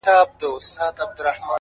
راسه چي الهام مي د زړه ور مات كـړ!